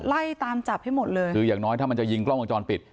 ไล่ตามจับให้หมดเลยคืออย่างน้อยถ้ามันจะยิงกล้องวงจรปิด